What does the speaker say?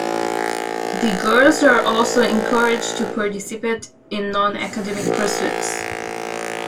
The girls are also encouraged to participate in non-academic pursuits.